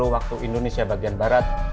sebelas tiga puluh waktu indonesia bagian barat